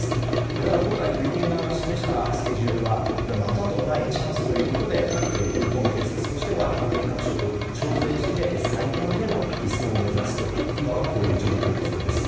ただ、今回、フィリピン側が示したスケジュールはまたとないチャンスということで日本の警察としては関係各所と調整して最短での移送を目指すという今は、こういう状況だそうです。